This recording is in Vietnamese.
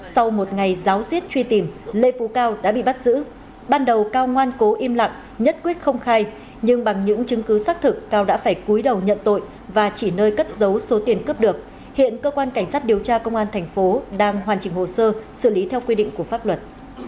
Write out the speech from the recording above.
sau một ngày giáo diết truy tìm lê phú cao đã bị bắt giữ ban đầu cao ngoan cố im lặng nhất quyết không khai nhưng bằng những chứng cứ xác thực cao đã phải cuối đầu nhận tội và chỉ nơi cất dấu số tiền cướp được hiện cơ quan cảnh sát điều tra công an thành phố đang hoàn chỉnh hồ sơ xử lý theo quy định của pháp luật